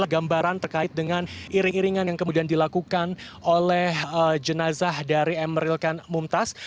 gambaran terkait dengan iring iringan yang kemudian dilakukan oleh jenazah dari emeril kan mumtaz